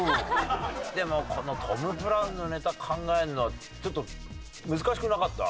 でもこのトム・ブラウンのネタ考えるのはちょっと難しくなかった？